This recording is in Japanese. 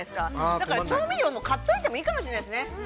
だから、調味料も買っといてもいいかもしれないですね。